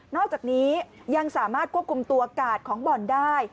อกจากนี้ยังสามารถควบคุมตัวกาดของบ่อนได้